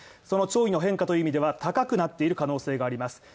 その潮位の変化という意味では高くなっている可能性があります。